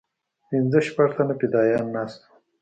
پنځه شپږ تنه فدايان ناست وو.